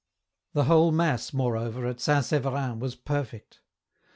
The whole mass, moreover, at St. Severin was perfect.